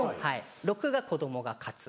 ６が子供が勝つ。